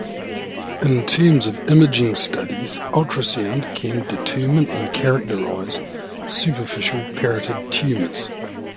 In terms of imaging studies, ultrasound can determine and characterize superficial parotid tumors.